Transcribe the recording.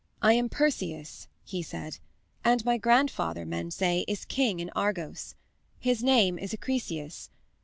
"I am Perseus," he said, "and my grandfather, men say, is king in Argos. His name is Acrisius.